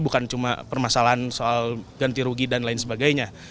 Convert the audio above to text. bukan cuma permasalahan soal ganti rugi dan lain sebagainya